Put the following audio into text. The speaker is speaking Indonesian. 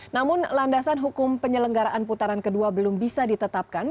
namun landasan hukum penyelenggaraan putaran kedua belum bisa ditetapkan